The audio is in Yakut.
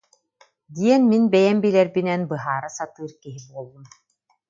диэн мин бэйэм билэрбинэн быһаара сатыыр киһи буоллум